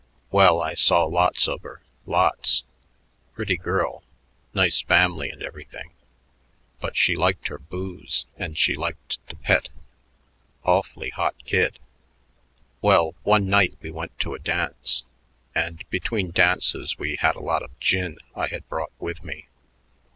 "Well, I saw lots of her. Lots. Pretty girl, nice family and everything, but she liked her booze and she liked to pet. Awful hot kid. Well, one night we went to a dance, and between dances we had a lot of gin I had brought with me.